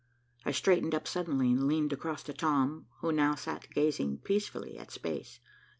I straightened up suddenly and leaned across to Tom, who now sat gazing peacefully at space.